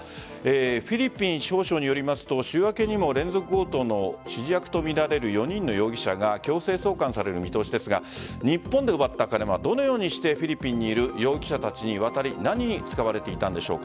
フィリピン司法省によりますと週明けにも連続強盗の指示役とみられる容疑者が強制送還される見通しですが日本で奪った金はどのようにしてフィリピンにいる容疑者たちに渡り何に使われていたんでしょうか。